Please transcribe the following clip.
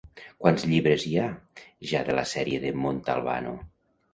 Quants llibres hi ha ja de la sèrie de Montalbano?